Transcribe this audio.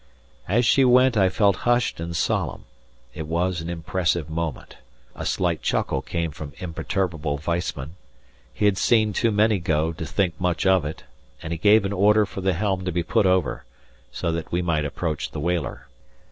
As she went I felt hushed and solemn, it was an impressive moment; a slight chuckle came from imperturbable Weissman; he had seen too many go to think much of it, and he gave an order for the helm to be put over, so that we might approach the whaler.